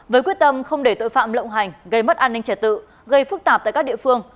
với quyết tâm không để tội phạm lộng hành gây mất an ninh trật tự gây phức tạp tại các địa phương